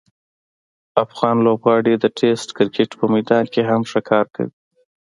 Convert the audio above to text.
افغان لوبغاړي د ټسټ کرکټ په میدان کې هم ښه کار کوي.